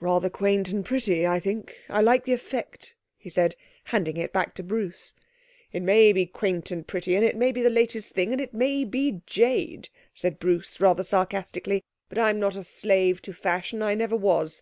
'Rather quaint and pretty, I think. I like the effect,' he said, handing it back to Bruce. 'It may be quaint and pretty, and it may be the latest thing, and it may be jade,' said Bruce rather sarcastically, 'but I'm not a slave to fashion. I never was.